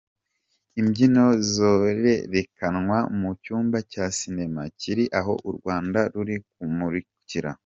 Imbyino zorerekanwa mu cyumba cya sinema kiri aha u Rwanda ruri kumurikira.